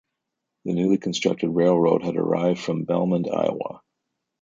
The newly constructed railroad had arrived from Belmond, Iowa.